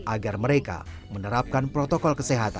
agar mereka menerapkan protokol kesehatan